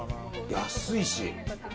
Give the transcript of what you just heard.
安いし。